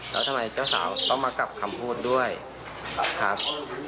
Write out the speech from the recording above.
แล้วทำไมเจ้าสาวต้องมากลับคำพูดด้วยครับ